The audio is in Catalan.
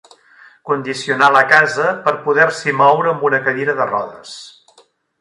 Condicionar la casa per poder-s'hi moure amb una cadira de rodes.